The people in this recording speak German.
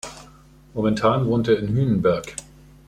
Momentan wohnt er in Hünenberg.